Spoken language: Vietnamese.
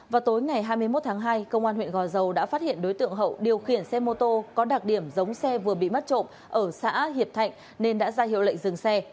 vào tối ngày hai mươi một tháng hai công an huyện gò dầu đã phát hiện đối tượng hậu điều khiển xe mô tô có đặc điểm giống xe vừa bị mất trộm ở xã hiệp thạnh nên đã ra hiệu lệnh dừng xe